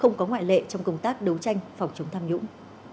không có ngoại lệ trong công tác đấu tranh phòng chống tham nhũng